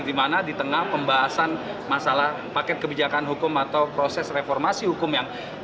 di mana di tengah pembahasan masalah paket kebijakan hukum atau proses reformasi hukum yang